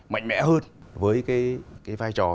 mạnh mẽ hơn với cái vai trò